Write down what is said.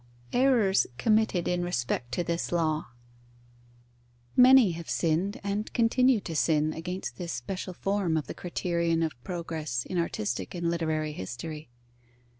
Errors committed in respect to this law. Many have sinned and continue to sin against this special form of the criterion of progress in artistic and literary history.